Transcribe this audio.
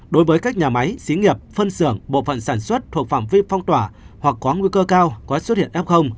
đối với các nhà máy xí nghiệp phân xưởng bộ phận sản xuất thuộc phạm vi phong tỏa hoặc có nguy cơ cao có xuất hiện f